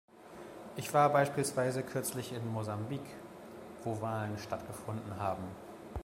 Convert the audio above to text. Ich war beispielsweise kürzlich in Mosambik, wo Wahlen stattgefunden haben.